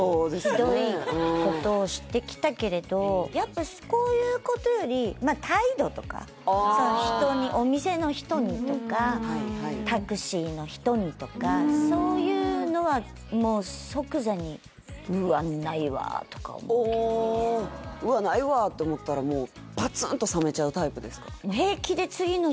ひどいことをしてきたけれどやっぱこういうことより態度とかああ人にお店の人にとかタクシーの人にとかそういうのはもう即座にとか思うけどね「うわないわ」と思ったらもう着拒！